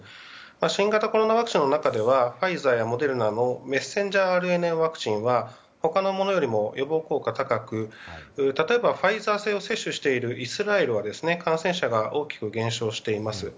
新型コロナワクチンの中ではファイザーやモデルナのメッセンジャーＲＮＡワクチンは他のものよりも予防効果が高く例えば、ファイザー製を接種しているイスラエルは感染者が大きく減少しています。